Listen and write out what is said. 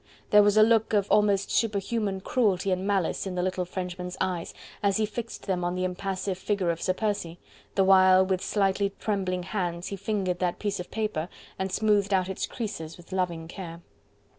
There was a look of almost superhuman cruelty and malice in the little Frenchman's eyes as he fixed them on the impassive figure of Sir Percy, the while with slightly trembling hands he fingered that piece of paper and smoothed out its creases with loving care.